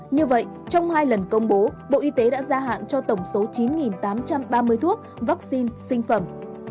như vậy trong hai lần công bố bộ y tế đã gia hạn cho tổng số chín tám trăm ba mươi thuốc vaccine sinh phẩm